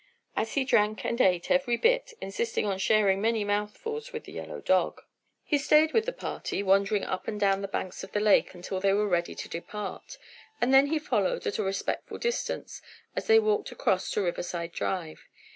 And he drank, and ate, every bit, insisting on sharing many mouthfuls with the yellow dog. He stayed with the party, wandering up and down the banks of the lake, until they were ready to depart, and then he followed at a respectful distance as they walked across town to Riverside Drive.